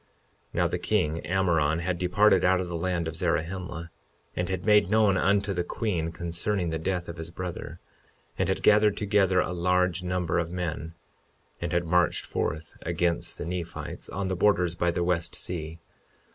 52:12 Now, the king (Ammoron) had departed out of the land of Zarahemla, and had made known unto the queen concerning the death of his brother, and had gathered together a large number of men, and had marched forth against the Nephites on the borders by the west sea.